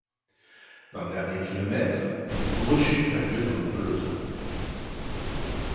Dans le dernier kilomètre, une grosse chute a lieu dans le peloton.